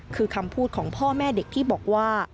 คือคำพูดของพ่อแม่เด็กที่บอกว่า